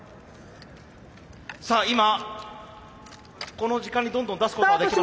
さあ今この時間にどんどん出すことはできません。